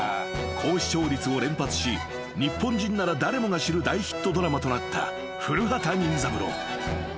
高視聴率を連発し日本人なら誰もが知る大ヒットドラマとなった『古畑任三郎』］